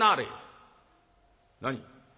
「何？